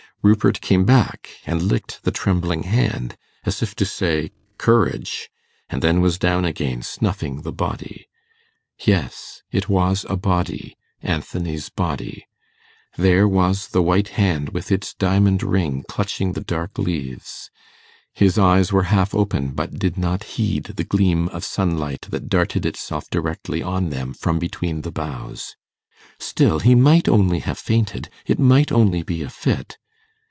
Rupert came back and licked the trembling hand, as if to say 'Courage!' and then was down again snuffing the body. Yes, it was a body ... Anthony's body. There was the white hand with its diamond ring clutching the dark leaves. His eyes were half open, but did not heed the gleam of sunlight that darted itself directly on them from between the boughs. Still he might only have fainted; it might only be a fit.